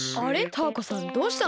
タアコさんどうしたの？